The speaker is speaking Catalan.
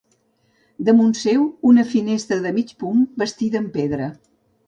Damunt seu, una finestra de mig punt bastida en pedra.